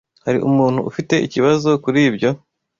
Hari umuntu ufite ikibazo kuri ibyo?